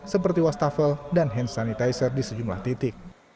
seperti wastafel dan hand sanitizer di sejumlah titik